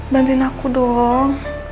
bantuin aku dong